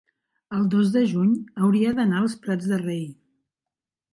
el dos de juny hauria d'anar als Prats de Rei.